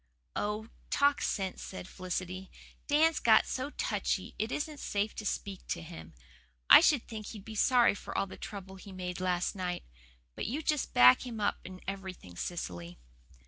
"Oh, talk sense," said Felicity. "Dan's got so touchy it isn't safe to speak to him. I should think he'd be sorry for all the trouble he made last night. But you just back him up in everything, Cecily."